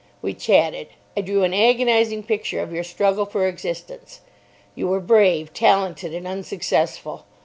We chatted. I drew an agonising picture of your struggle for existence. You were brave, talented, and unsuccessful.